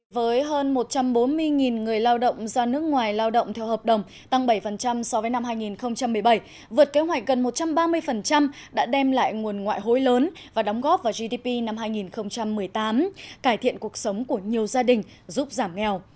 với hơn một trăm bốn mươi người lao động ra nước ngoài lao động theo hợp đồng tăng bảy so với năm hai nghìn một mươi bảy vượt kế hoạch gần một trăm ba mươi đã đem lại nguồn ngoại hối lớn và đóng góp vào gdp năm hai nghìn một mươi tám cải thiện cuộc sống của nhiều gia đình giúp giảm nghèo